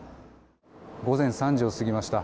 午前３時を過ぎました。